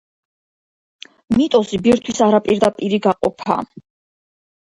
მიტოზი ბირთვის არაპირდაპირი გაყოფაა.